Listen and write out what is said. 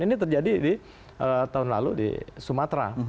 ini terjadi di tahun lalu di sumatera